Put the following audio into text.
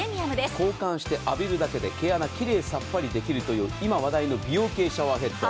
交換して浴びるだけで毛穴をきれいにできるという今、話題のシャワーヘッド。